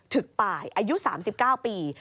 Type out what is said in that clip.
ึกป่ายอายุ๓๙ปี